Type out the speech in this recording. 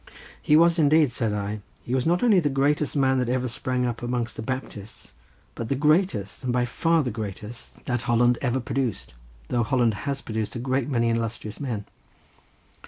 "He was indeed," said I. "He was not only the greatest man that ever sprang up amongst the Baptists, but the greatest, and by far the greatest, that Holland ever produced, though Holland has produced a great many illustrious men."